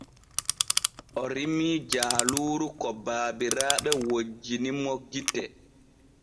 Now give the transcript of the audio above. O rimii jaaluuru ko baabiraaɓe wojjini mo gite.